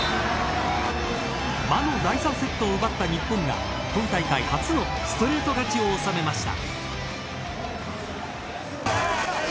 魔の第３セットを奪った日本が今大会初のストレート勝ちを収めました。